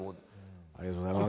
ありがとうございます。